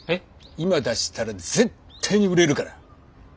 今出したら絶対に売れるから。ね？